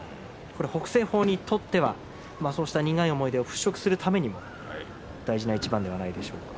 北青鵬にとってはそうした苦い思い出を払拭するために大事な一番ではないでしょうか。